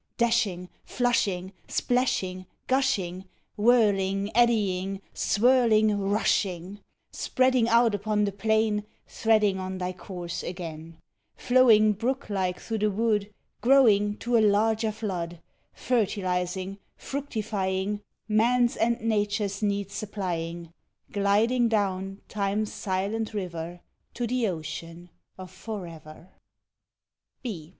Dashing; Flushing; Splashing; Gushing; Whirling; Eddying; Swirling; Rushing; Spreading out upon the plain, Threading on thy course again; Flowing brook like through the wood, Growing to a larger flood; Fertilising, fructifying, Man's and Nature's needs supplying; Gliding down time's silent river; To the ocean of For Ever.